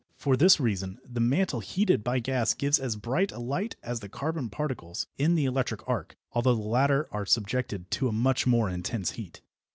For this reason the mantle heated by gas gives as bright a light as the carbon particles in the electric arc, although the latter are subjected to a much more intense heat.